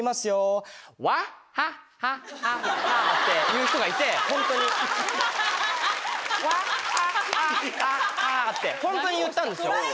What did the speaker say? その人は何か。って言う人がいてホントに。ってホントに言ったんですよ。